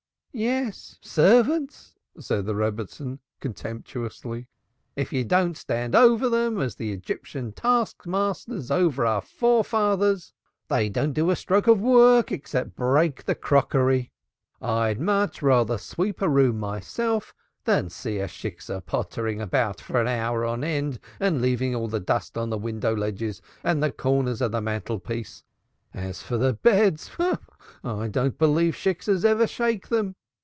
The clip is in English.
"Yes, servants!" said the Rebbitzin, contemptuously. "If you don't stand over them as the Egyptian taskmasters over our forefathers, they don't do a stroke of work except breaking the crockery. I'd much rather sweep a room myself than see a Shiksah pottering about for an hour and end by leaving all the dust on the window ledges and the corners of the mantelpiece. As for beds, I don't believe Shiksahs ever shake them!